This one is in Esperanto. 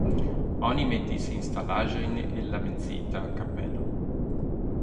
Oni metis la instalaĵojn el la menciita kapelo.